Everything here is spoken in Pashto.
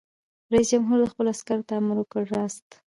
رئیس جمهور خپلو عسکرو ته امر وکړ؛ راست!